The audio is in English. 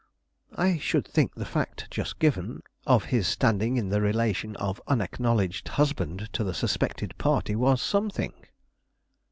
"I should think the fact just given, of his standing in the relation of unacknowledged husband to the suspected party was something."